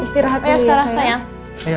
istirahat dulu ya sayang